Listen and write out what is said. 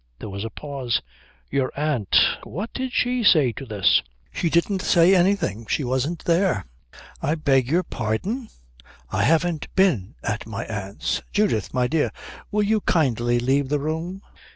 There was a pause. "Your aunt what did she say to this?" "She didn't say anything. She wasn't there." "I beg your pardon?" "I haven't been at my aunt's." "Judith, my dear, will you kindly leave the room?"